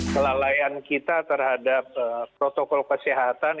kelalaian kita terhadap protokol kesehatan